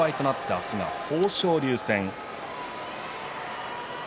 明日は豊昇龍戦です。